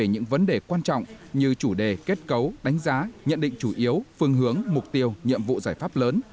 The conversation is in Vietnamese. những vấn đề quan trọng như chủ đề kết cấu đánh giá nhận định chủ yếu phương hướng mục tiêu nhiệm vụ giải pháp lớn